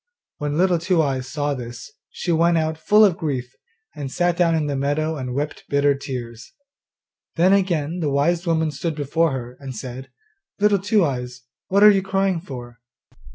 When Little Two eyes saw this, she went out full of grief, and sat down in the meadow and wept bitter tears. Then again the wise woman stood before her, and said, 'Little Two eyes, what are you crying for?